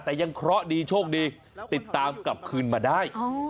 แต่ยังเคราะห์ดีโชคดีติดตามกลับคืนมาได้